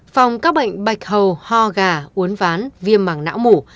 phòng các bệnh bạch hầu ho gà uốn ván viêm màng não mủ